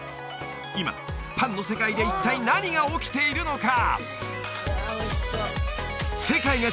今パンの世界で一体何が起きているのか！？